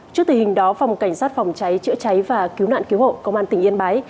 trước tình hình đó phòng cảnh sát phòng cháy chữa cháy và cứu nạn cứu hộ công an tỉnh yên bái